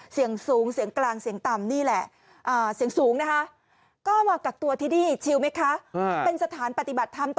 เสี่ยงสูงเสี่ยงกลางเสี่ยงต่ำ